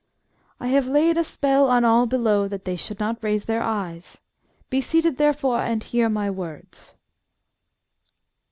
"I have laid a spell on all below that they should not raise their eyes. Be seated, therefore, and hear my words."